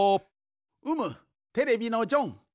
うむテレビのジョン。